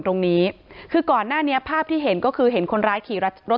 ตรงนี้คือก่อนหน้านี้ภาพที่เห็นก็คือเห็นคนร้ายขี่รถ